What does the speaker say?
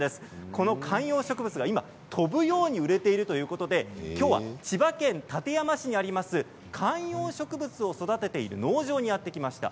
この観葉植物が今、飛ぶように売れているということできょうは千葉県館山市にある観葉植物を育てている農場にやって来ました。